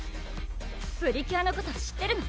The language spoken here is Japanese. プリキュアのこと知ってるの？